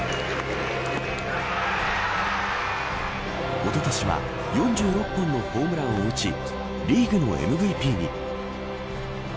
おととしは４６本のホームランを打ちリーグのＭＶＰに。